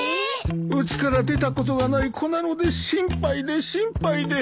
うちから出たことがない子なので心配で心配で。